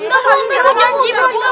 enggak boleh buka sendalnya